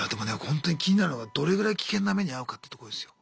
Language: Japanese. ホントに気になるのがどれぐらい危険な目に遭うかってとこですよ。